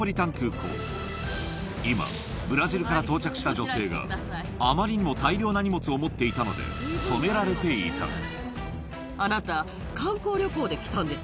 今ブラジルから到着した女性があまりにも大量な荷物を持っていたので止められていたあなた。